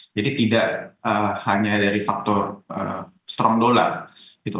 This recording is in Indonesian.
jadi tidak hanya dari faktor strong dollar gitu